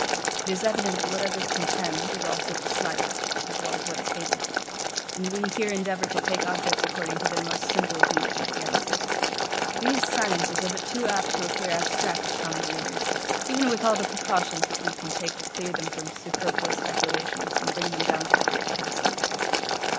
It is evident, that whatever is contemned, is also disliked, as well as what is hated; and we here endeavour to take objects, according to their most simple views and appearances. These sciences are but too apt to appear abstract to common readers, even with all the precautions which we can take to clear them from superfluous speculations, and bring them down to every capacity.